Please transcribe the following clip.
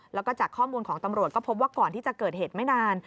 แล้วก็จากข้อมูลของตำรวจก็พบว่าก่อนที่จะเกิดเหตุไม่นาน